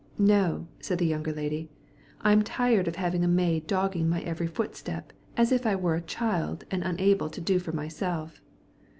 "No," said the younger lady; "I'm tired of having a maid dogging my every footstep, as if I were a child and unable to do for myself."